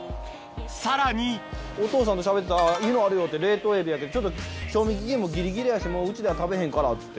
さらにお父さんとしゃべってたらいいのあるよって冷凍エビちょっと賞味期限もギリギリやしうちでは食べへんからっつって。